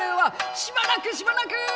「しばらくしばらく！